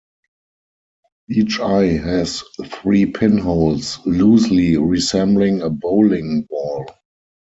Each eye has three pinholes, loosely resembling a bowling ball.